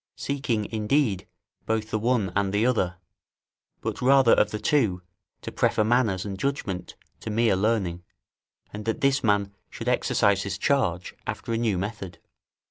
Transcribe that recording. ] seeking, indeed, both the one and the other, but rather of the two to prefer manners and judgment to mere learning, and that this man should exercise his charge after a new method.